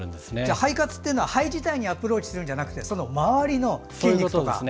肺活というのは肺自体にアプローチするんじゃなくてその周りの筋肉なんですね。